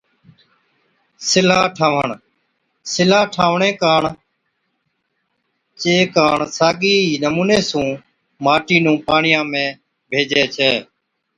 سِلها ٺاهوَڻ، سِلها ٺاهوَڻي ڪاڻ چي ڪاڻ ساگي ئِي نمُوني سُون ماٽِي نُون پاڻِيان ۾ ڀيجَي ڇَي